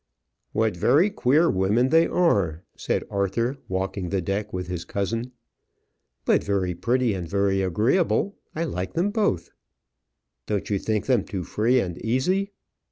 "What very queer women they are!" said Arthur, walking the deck with his cousin. "But very pretty, and very agreeable. I like them both." "Don't you think them too free and easy?"